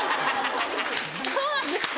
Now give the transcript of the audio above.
そうなんですか？